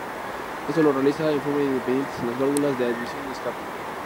Esto lo realiza de forma independiente en las válvulas de admisión y escape.